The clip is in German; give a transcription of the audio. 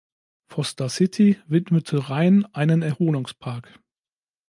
Foster City widmete Ryan einen Erholungspark.